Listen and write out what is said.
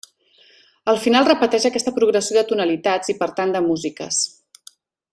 El final repeteix aquesta progressió de tonalitats i per tant de músiques.